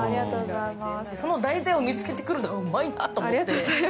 その題材を見つけてくるのがうまいなと思って。